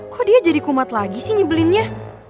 kok dia jadi kumat lagi sih nyebelinnya